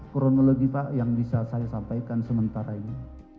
kronologi pak yang bisa saya sampaikan sementara ini